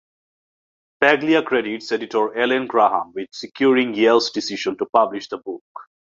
Paglia credits editor Ellen Graham with securing Yale's decision to publish the book.